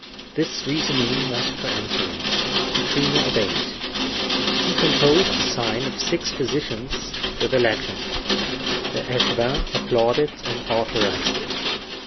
This reasoning was peremptory—Pittrino obeyed. He composed the sign of six physicians, with the legend; the echevin applauded and authorized it.